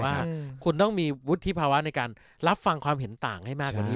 ว่าคุณต้องมีวุฒิภาวะในการรับฟังความเห็นต่างให้มากกว่านี้